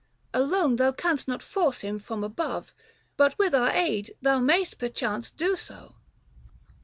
Alone thou canst not force him from above, But with our aid thou may'st perchance do so